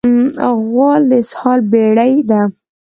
غول د اسهال بېړۍ ده.